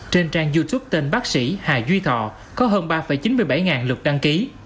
trên trang youtube tên bác sĩ hà duy thọ có hơn ba chín mươi bảy ngàn lượt đăng ký